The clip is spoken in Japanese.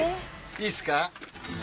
いいですか？